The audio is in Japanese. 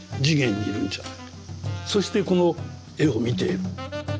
そしてこの絵を見ている。